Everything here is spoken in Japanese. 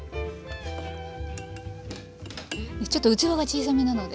ちょっと器が小さめなので。